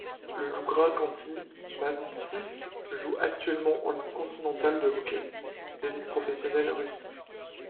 Le Iougra Khanty-Mansiïsk joue actuellement en Ligue continentale de hockey, l'élite professionnelle russe.